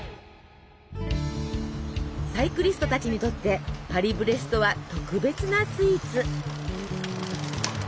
サイクリストたちにとってパリブレストは特別なスイーツ。